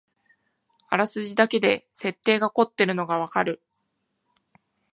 あらすじだけで設定がこってるのがわかる